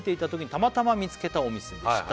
「たまたま見つけたお店でした」